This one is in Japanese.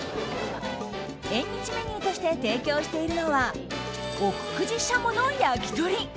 縁日メニューとして提供しているのは奥久慈軍鶏の焼鳥。